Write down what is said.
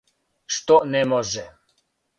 Што не може?